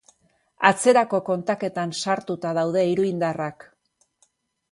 Atzerako kontaketan sartuta daude iruindarrak.